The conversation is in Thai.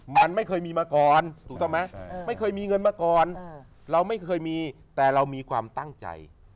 มันไม่เคยมีมาก่อนถูกต้องไหมไม่เคยมีเงินมาก่อนเราไม่เคยมีแต่เรามีความตั้งใจ